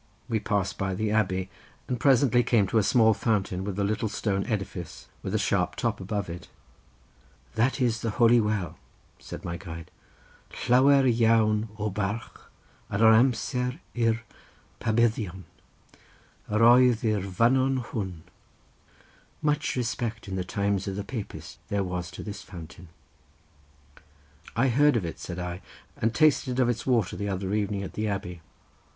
We passed by the abbey and presently came to a small fountain with a little stone edifice, with a sharp top above it. "That is the holy well," said my guide: "Llawer iawn o barch yn yr amser yr Pabyddion yr oedd i'r fynnon hwn—much respect in the times of the Papists there was to this fountain." "I heard of it," said I, "and tasted of its water the other evening at the abbey."